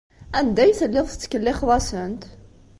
Anda ay telliḍ tettkellixeḍ-asent?